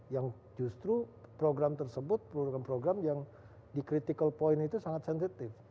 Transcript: yang justru program tersebut program program yang di critical point itu sangat sensitif